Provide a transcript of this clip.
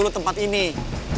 lo kan kenal